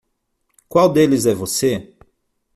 Qual deles é você?